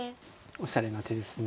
おしゃれな手です。